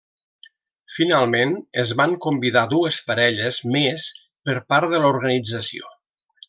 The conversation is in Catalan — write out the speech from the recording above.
Finalment es van convidar dues parelles més per part de l'organització.